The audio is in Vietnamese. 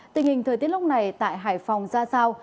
tình hình thời tiết lúc này tại hải phòng ra sao